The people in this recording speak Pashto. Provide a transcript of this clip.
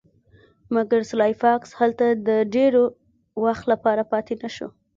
مګر سلای فاکس هلته د ډیر وخت لپاره پاتې نشو